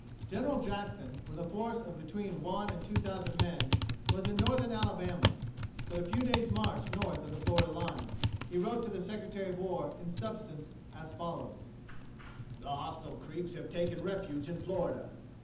General Jackson, with a force of between one and two thousand men, was in Northern Alabama, but a few days' march north of the Florida line. He wrote to the Secretary of War, in substance, as follows: "The hostile Creeks have taken refuge in Florida.